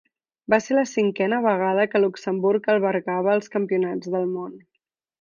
Va ser la cinquena vegada que Luxemburg albergava els campionats del món.